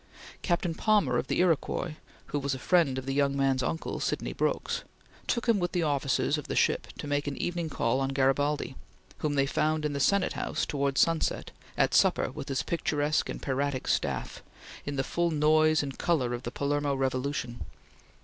Captain Palmer of the Iroquois, who was a friend of the young man's uncle, Sydney Brooks, took him with the officers of the ship to make an evening call on Garibaldi, whom they found in the Senate House towards sunset, at supper with his picturesque and piratic staff, in the full noise and color of the Palermo revolution.